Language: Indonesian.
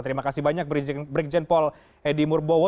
terima kasih banyak brigjen pol edi murbowo